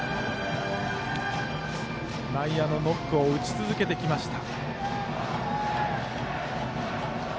内野のノックを打ち続けてきました。